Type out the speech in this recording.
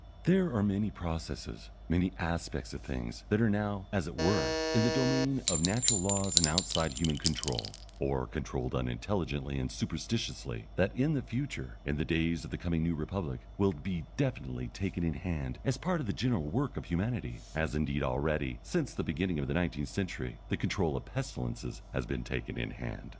There are many processes, many aspects of things, that are now, as it were, in the domain of natural laws and outside human control, or controlled unintelligently and superstitiously, that in the future, in the days of the coming New Republic, will be definitely taken in hand as part of the general work of humanity, as indeed already, since the beginning of the nineteenth century, the control of pestilences has been taken in hand.